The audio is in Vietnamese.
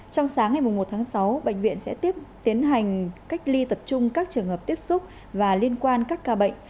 trong sáng ngày một tháng sáu bệnh viện sẽ tiếp hành cách ly tập trung các trường hợp tiếp xúc và liên quan các ca bệnh